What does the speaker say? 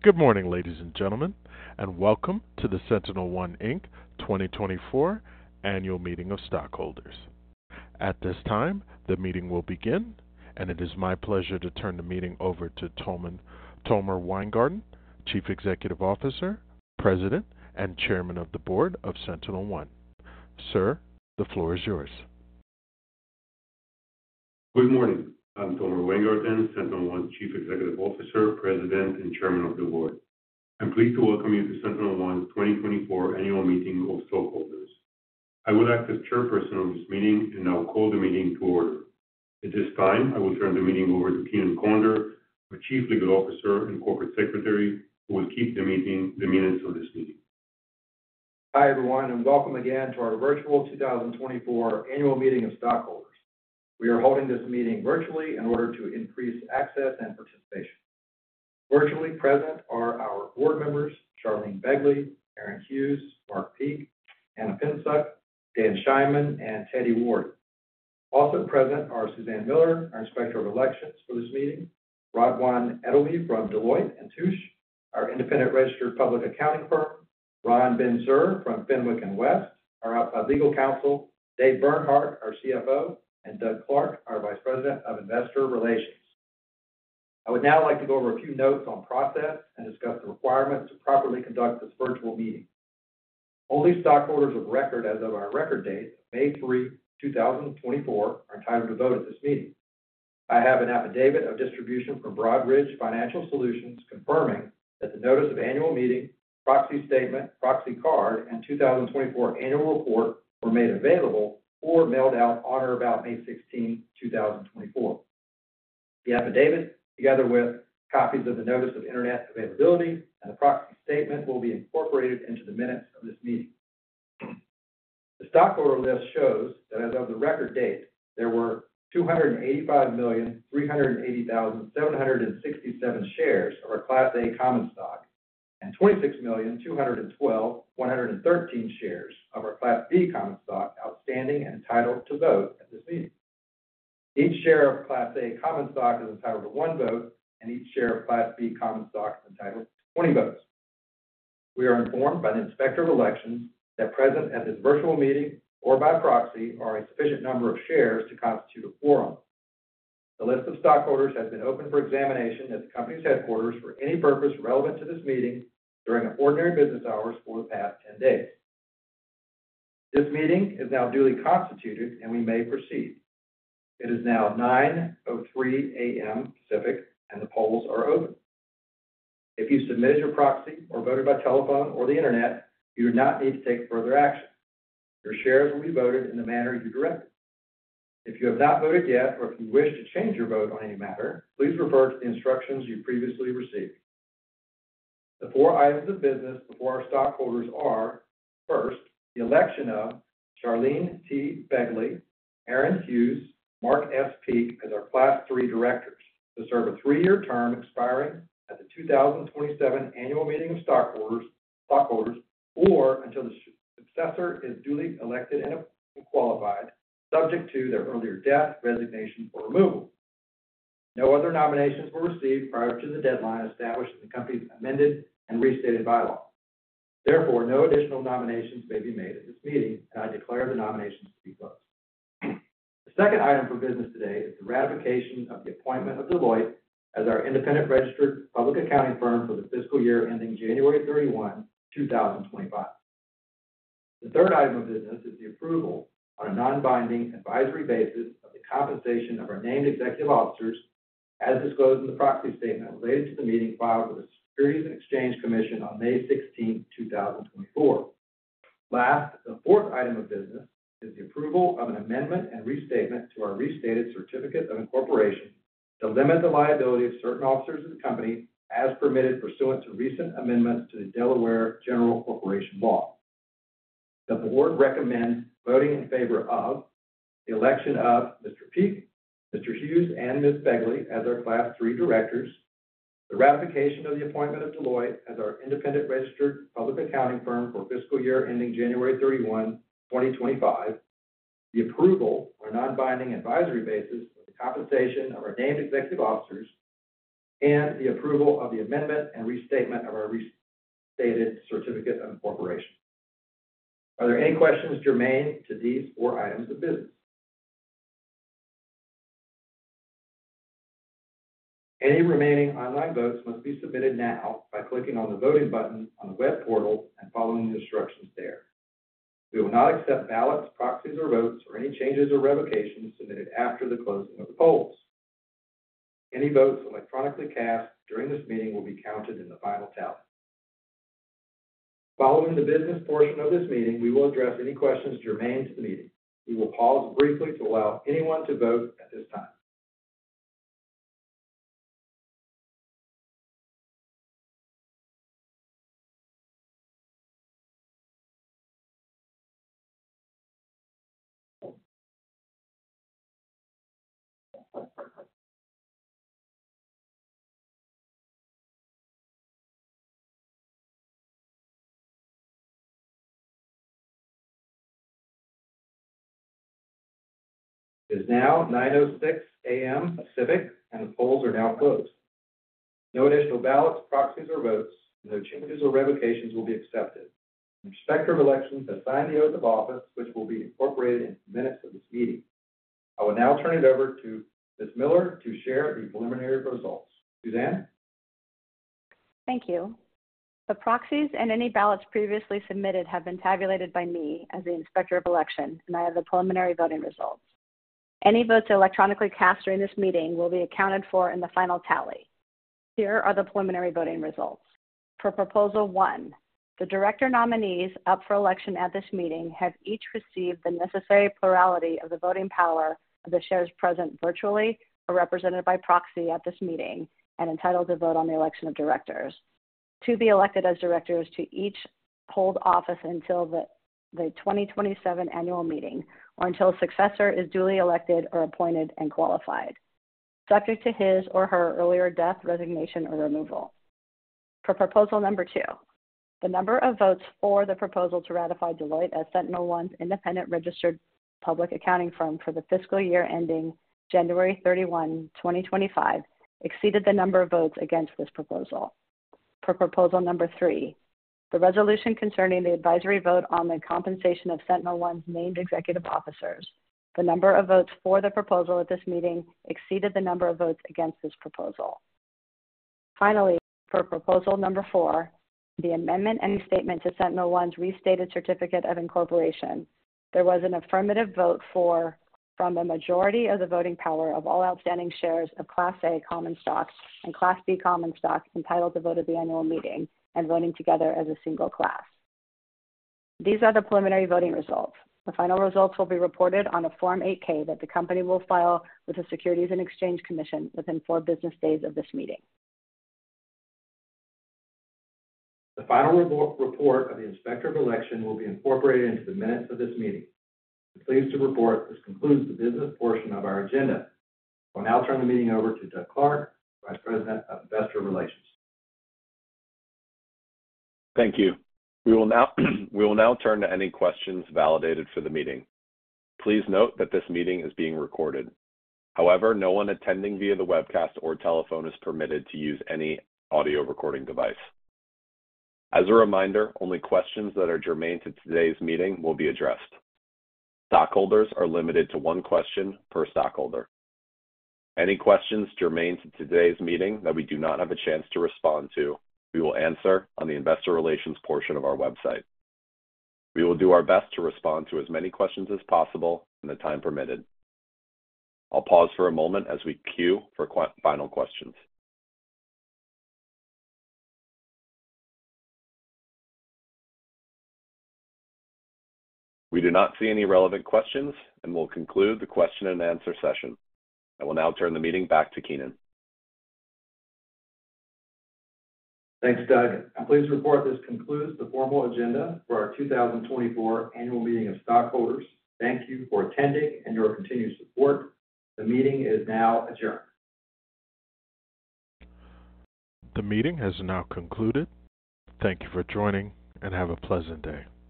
Good morning, ladies and gentlemen, and welcome to the SentinelOne, Inc. 2024 Annual Meeting of Stockholders. At this time, the meeting will begin, and it is my pleasure to turn the meeting over to Tomer Weingarten, Chief Executive Officer, President, and Chairman of the Board of SentinelOne. Sir, the floor is yours. Good morning. I'm Tomer Weingarten, SentinelOne Chief Executive Officer, President, and Chairman of the Board. I'm pleased to welcome you to SentinelOne's 2024 Annual Meeting of Stockholders. I will act as Chairperson of this meeting, and I'll call the meeting to order. At this time, I will turn the meeting over to Keenan Conder, our Chief Legal Officer and Corporate Secretary, who will keep the minutes of this meeting. Hi everyone, and welcome again to our virtual 2024 Annual Meeting of Stockholders. We are holding this meeting virtually in order to increase access and participation. Virtually present are our board members: Charlene Begley, Aaron Hughes, Mark Peek, Ana Pinczuk, Dan Scheinman, and Teddie Wardi. Also present are Suzanne Miller, our Inspector of Elections for this meeting, Rob [inaudible] from Deloitte & Touche, our Independent Registered Public Accounting Firm, Ran Ben-Tzur from Fenwick & West, our outside legal counsel, Dave Bernhardt, our CFO, and Doug Clark, our Vice President of Investor Relations. I would now like to go over a few notes on process and discuss the requirements to properly conduct this virtual meeting. Only stockholders of record as of our record date of May 3, 2024, are entitled to vote at this meeting. I have an affidavit of distribution from Broadridge Financial Solutions confirming that the Notice of Annual Meeting, Proxy Statement, Proxy Card, and 2024 Annual Report were made available or mailed out on or about May 16, 2024. The affidavit, together with copies of the Notice of Internet Availability and the Proxy Statement, will be incorporated into the minutes of this meeting. The stockholder list shows that as of the Record Date, there were 285,380,767 shares of our Class A Common Stock and 26,212,113 shares of our Class B Common Stock outstanding and entitled to vote at this meeting. Each share of Class A Common Stock is entitled to 1 vote, and each share of Class B Common Stock is entitled to 20 votes. We are informed by the Inspector of Elections that present at this virtual meeting or by proxy are a sufficient number of shares to constitute a quorum. The list of stockholders has been opened for examination at the company's headquarters for any purpose relevant to this meeting during the ordinary business hours for the past 10 days. This meeting is now duly constituted, and we may proceed. It is now 9:03 A.M. Pacific Time, and the polls are open. If you submitted your proxy or voted by telephone or the internet, you do not need to take further action. Your shares will be voted in the manner you directed. If you have not voted yet or if you wish to change your vote on any matter, please refer to the instructions you previously received. The four items of business before our stockholders are: first, the election of Charlene T. Begley, Aaron Hughes, and Mark S. Peek as our Class III Directors to serve a three-year term expiring at the 2027 Annual Meeting of Stockholders or until the successor is duly elected and qualified, subject to their earlier death, resignation, or removal. No other nominations were received prior to the deadline established in the company's Amended and Restated Bylaws. Therefore, no additional nominations may be made at this meeting, and I declare the nominations to be closed. The second item for business today is the ratification of the appointment of Deloitte as our Independent Registered Public Accounting Firm for the fiscal year ending January 31, 2025. The third item of business is the approval on a non-binding advisory basis of the compensation of our named executive officers, as disclosed in the Proxy Statement related to the meeting filed with the Securities and Exchange Commission on May 16, 2024. Last, the fourth item of business is the approval of an amendment and restatement to our restated certificate of incorporation to limit the liability of certain officers of the company as permitted pursuant to recent amendments to the Delaware General Corporation Law. The board recommends voting in favor of the election of Mr. Peek, Mr. Hughes, and Ms. Begley as our Class III Directors, the ratification of the appointment of Deloitte as our Independent Registered Public Accounting Firm for the fiscal year ending January 31, 2025, the approval on a non-binding advisory basis of the compensation of our named executive officers, and the approval of the amendment and restatement of our restated certificate of incorporation. Are there any questions germane to these four items of business? Any remaining online votes must be submitted now by clicking on the voting button on the web portal and following the instructions there. We will not accept ballots, proxies, or votes or any changes or revocations submitted after the closing of the polls. Any votes electronically cast during this meeting will be counted in the final tally. Following the business portion of this meeting, we will address any questions germane to the meeting. We will pause briefly to allow anyone to vote at this time. It is now 9:06 A.M. Pacific Time, and the polls are now closed. No additional ballots, proxies, or votes, and no changes or revocations will be accepted. The Inspector of Elections has signed the oath of office, which will be incorporated into the minutes of this meeting. I will now turn it over to Ms. Miller to share the preliminary results. Suzanne? Thank you. The proxies and any ballots previously submitted have been tabulated by me as the Inspector of Election, and I have the preliminary voting results. Any votes electronically cast during this meeting will be accounted for in the final tally. Here are the preliminary voting results. For Proposal One, the director nominees up for election at this meeting have each received the necessary plurality of the voting power of the shares present virtually or represented by proxy at this meeting and entitled to vote on the election of directors. To be elected as directors to each hold office until the 2027 Annual Meeting or until a successor is duly elected or appointed and qualified, subject to his or her earlier death, resignation, or removal. For Proposal Number Two, the number of votes for the proposal to ratify Deloitte as SentinelOne's Independent Registered Public Accounting Firm for the fiscal year ending January 31, 2025, exceeded the number of votes against this proposal. For Proposal Number Three, the resolution concerning the advisory vote on the compensation of SentinelOne's named executive officers, the number of votes for the proposal at this meeting exceeded the number of votes against this proposal. Finally, for Proposal Number Four, the amendment and restatement to SentinelOne's restated certificate of incorporation, there was an affirmative vote from a majority of the voting power of all outstanding shares of Class A Common Stock and Class B Common Stock entitled to vote at the Annual Meeting and voting together as a single class. These are the preliminary voting results. The final results will be reported on a Form 8-K that the company will file with the Securities and Exchange Commission within four business days of this meeting. The final report of the Inspector of Elections will be incorporated into the minutes of this meeting. Pleased to report, this concludes the business portion of our agenda. I will now turn the meeting over to Doug Clark, Vice President of Investor Relations. Thank you. We will now turn to any questions validated for the meeting. Please note that this meeting is being recorded. However, no one attending via the webcast or telephone is permitted to use any audio recording device. As a reminder, only questions that are germane to today's meeting will be addressed. Stockholders are limited to one question per stockholder. Any questions germane to today's meeting that we do not have a chance to respond to, we will answer on the Investor Relations portion of our website. We will do our best to respond to as many questions as possible in the time permitted. I'll pause for a moment as we queue for final questions. We do not see any relevant questions and will conclude the question and answer session. I will now turn the meeting back to Keenan. Thanks, Doug. I'm pleased to report this concludes the formal agenda for our 2024 Annual Meeting of Stockholders. Thank you for attending and your continued support. The meeting is now adjourned. The meeting has now concluded. Thank you for joining and have a pleasant day.